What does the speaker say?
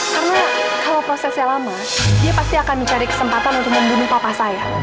karena kalau prosesnya lama dia pasti akan mencari kesempatan untuk membunuh papa saya